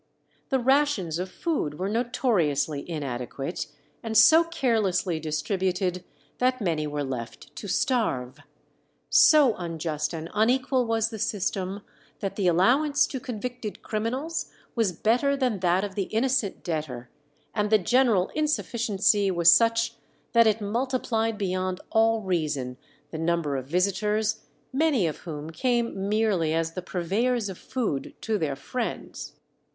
The rations of food were notoriously inadequate, and so carelessly distributed, that many were left to starve. So unjust and unequal was the system, that the allowance to convicted criminals was better than that of the innocent debtor, and the general insufficiency was such that it multiplied beyond all reason the number of visitors, many of whom came merely as the purveyors of food to their friends.